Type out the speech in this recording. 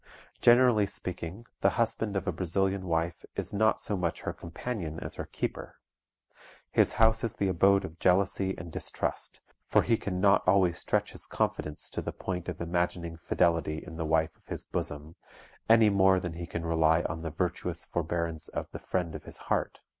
Generally speaking, the husband of a Brazilian wife is not so much her companion as her keeper. His house is the abode of jealousy and distrust, for he can not always stretch his confidence to the point of imagining fidelity in the wife of his bosom, any more than he can rely on the virtuous forbearance of the friend of his heart.